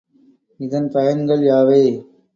இதன் பயன்கள் யாவை?